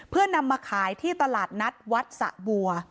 เพื่อนำมาขายที่ตลาดนัดวัดสะบัว